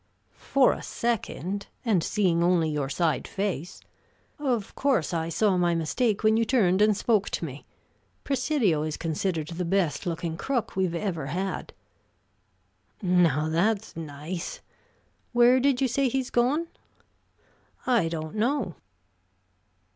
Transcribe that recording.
"For a second, and seeing only your side face. Of course, I saw my mistake when you turned and spoke to me. Presidio is considered the best looking crook we've ever had." "Now, that's nice! Where did you say he's gone?" "I don't know."